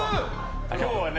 今日はね